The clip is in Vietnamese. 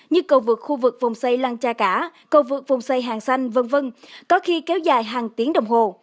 như cầu vượt khu vực vùng xây lăng cha cả cầu vượt vùng xây hàng xanh v v có khi kéo dài hàng tiếng đồng hồ